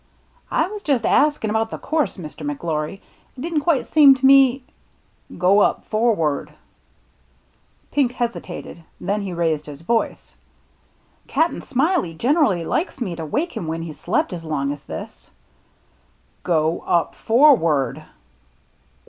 " I was just askin* about the course, Mr. McGlory. It didn't quite seem to me —" Go up forward !" Pink hesitated, then he raised his voice. " Cap'n Smiley generally likes me to wake him when he's slept as long's this." " Go up forward."